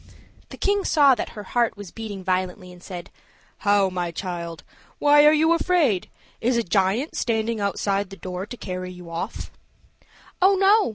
The king saw that her heart was beating violently, and said, "How, my child, why are you afraid? Is a giant standing outside the door to carry you off?" "Oh, no!"